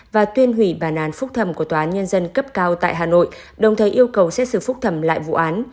và tuyên hủy bản án phúc thẩm của tòa án nhân dân cấp cao tại hà nội đồng thời yêu cầu xét xử phúc thẩm lại vụ án